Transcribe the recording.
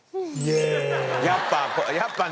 やっぱやっぱね